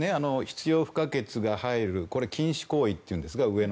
必要不可欠が入るこれ、禁止行為というんですが。